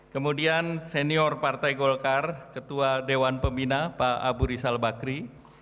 kemudian senior partai golkar ketua dewan pembina pak abu rizal bakri